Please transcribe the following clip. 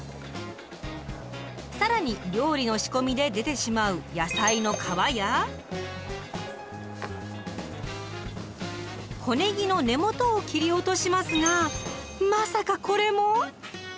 更に料理の仕込みで出てしまう小ねぎの根元を切り落としますがまさかこれも⁉